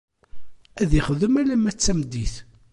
Ad ixdem alamma d tameddit.